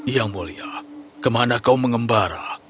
yang mulia kemana kau mengembara